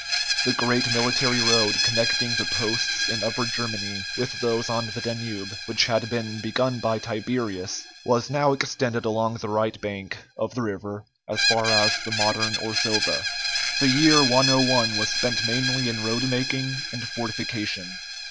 The great military road connecting the posts in Upper Germany with those on the Danube, which had been begun by Tiberius, was now extended along the right bank of the river as far as the modern Orsova. The year 101 was spent mainly in roadmaking and fortification.